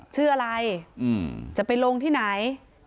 ชื่ออะไรจะไปลงที่ไหน